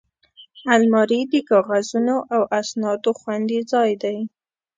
الماري د کاغذونو او اسنادو خوندي ځای دی